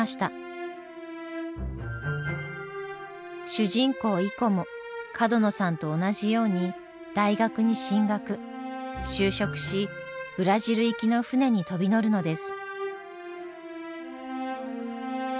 主人公イコも角野さんと同じように大学に進学就職しブラジル行きの船に飛び乗るのです。